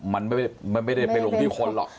มันไม่ได้ไปลงที่คนหรอก